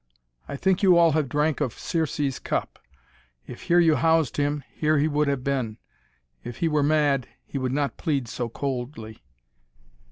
I think you all have drank of Circe's cup. If here you housed him, here he would have been; If he were mad, he would not plead so coldly.